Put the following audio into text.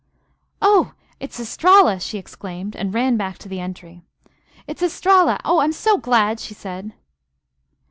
"Oh! It's Estralla!" she exclaimed, and ran back to the entry. "It's Estralla! Oh! I'm so glad!" she said.